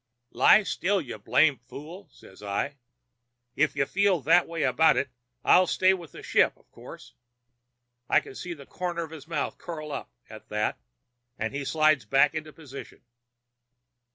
"'Lie still, you blame fool!' says I. 'If you feel that way about it I'll stay with the ship, of course.' I can see the corner of his mouth curl up at that, and he slides back into position.